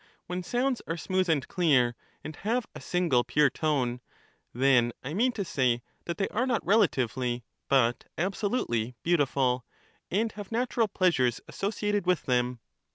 When sounds are smooth and clear, and have a single pure tone, then I mean to say that they are not relatively but absolutely beautiful, and have natural pleasures associated with them.